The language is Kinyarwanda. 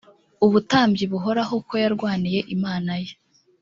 ubutambyi buhoraho kuko yarwaniye imana ye